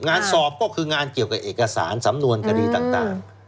งานสอบก็คืองานเกี่ยวกับเอกสารสำนวนคดีต่าง